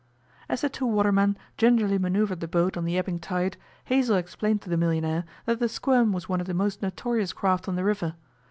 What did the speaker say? As the two watermen gingerly manoeuvred the boat on the ebbing tide, Hazell explained to the millionaire that the 'Squirm' was one of the most notorious craft on the river.